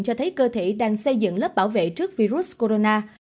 cho thấy cơ thể đang xây dựng lớp bảo vệ trước virus corona